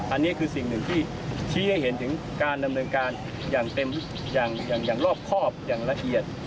อันนี้คือสิ่งหนึ่งที่ชี้ให้เห็นถึงการดำเนินการอย่างเต็มอย่างรอบครอบอย่างละเอียด